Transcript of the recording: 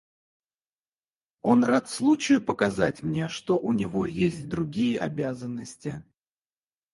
Он рад случаю показать мне, что у него есть другие обязанности.